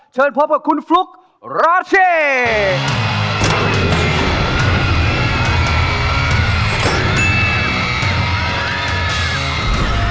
เชิญพบกับคุณฟลุ๊กราเช่